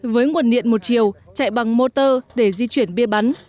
với nguồn điện một chiều chạy bằng motor để di chuyển bia bắn